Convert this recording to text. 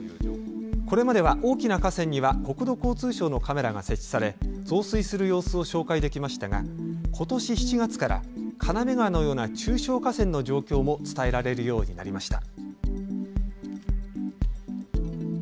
これまでは大きな河川には国土交通省のカメラが設置され増水する様子を紹介できましたが今年７月から、金目川のような中小河川の状況も伝えられるようになりました。